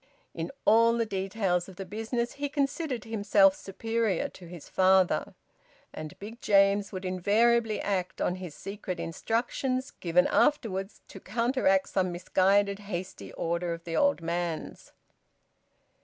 In all the details of the business he considered himself superior to his father. And Big James would invariably act on his secret instructions given afterwards to counteract some misguided hasty order of the old man's.